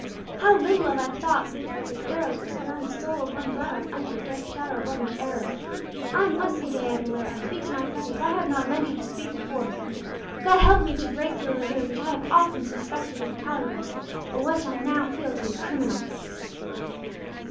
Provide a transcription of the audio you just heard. How little have I thought of the perils which surround the soul of one brought up under the dark shadow of Romish error! I must see De Aguilera, and speak to my friend as I have not ventured to speak before. God help me to break through a reserve which I have often suspected to be cowardly, but which I now feel to be criminal!"